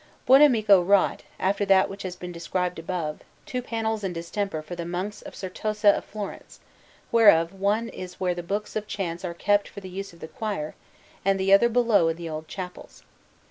Buonamico wrought, after that which has been described above, two panels in distemper for the Monks of the Certosa of Florence, whereof one is where the books of chants are kept for the use of the choir, and the other below in the old chapels.